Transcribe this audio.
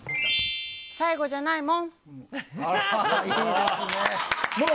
最後じゃないもん。